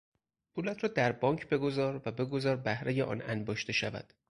پولت را در بانک بگذار و بگذار بهرهی آن انباشته شود.